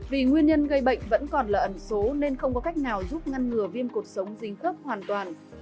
vì nguyên nhân gây bệnh vẫn còn là ẩn số nên không có cách nào giúp ngăn ngừa viêm cột sống dính khớp hoàn toàn